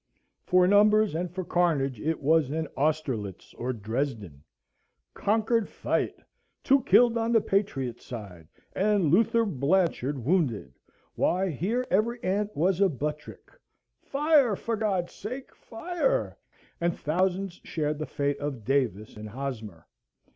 For numbers and for carnage it was an Austerlitz or Dresden. Concord Fight! Two killed on the patriots' side, and Luther Blanchard wounded! Why here every ant was a Buttrick,—"Fire! for God's sake fire!"—and thousands shared the fate of Davis and Hosmer.